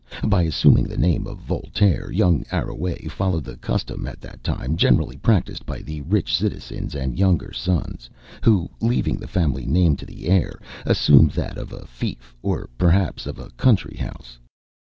By assuming the name of Voltaire, young Arouet followed the custom, at that time generally practiced by the rich citizens and younger sons, who, leaving the family name to the heir, assumed that of a fief, or perhaps of a country house.